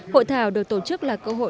hội thảo được tổ chức là cơ hội